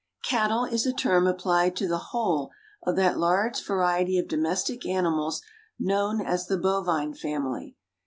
Cattle is a term applied to the whole of that large variety of domestic animals known as the Bovine family.